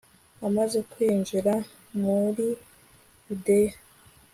amaze kwinjira muri yudeya